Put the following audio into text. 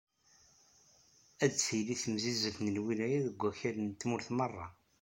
Ad d-tili temsizzelt n lwilaya deg wakal n tmurt merra.